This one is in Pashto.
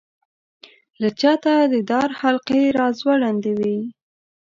له چته د دار حلقې را ځوړندې وې.